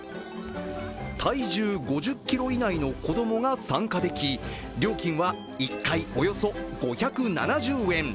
体重５０ｋｇ以内の子供が参加でき料金は１回およそ５７０円。